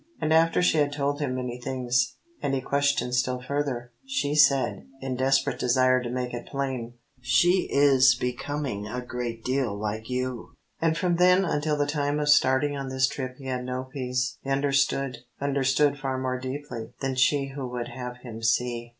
And after she had told him many things, and he questioned still further, she said, in desperate desire to make it plain "She is becoming a great deal like you!" And from then until the time of starting on this trip he had had no peace. He understood; understood far more deeply than she who would have him see.